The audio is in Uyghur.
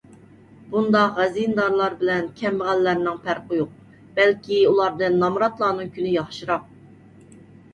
بۇنداق خەزىنىدارلار بىلەن كەمبەغەللەرنىڭ پەرقى يوق. بەلكى ئۇلاردىن نامراتلارنىڭ كۈنى ياخشىراق.